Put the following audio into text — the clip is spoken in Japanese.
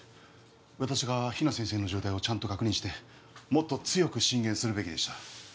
私が比奈先生の状態をちゃんと確認してもっと強く進言するべきでした